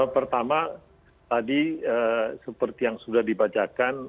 pertama tadi seperti yang sudah dibacakan